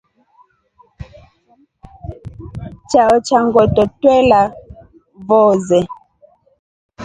Chao cha ngʼoto twelya vozee.